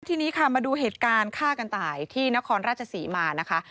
ทีนี้ค่ะมาดูเหตุการณ์ฆ่ากันตายที่นครราชศรีมานะคะ